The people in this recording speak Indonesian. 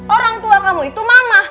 orang tua kamu itu mama